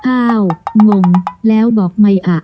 งงแล้วบอกไม่อ่ะ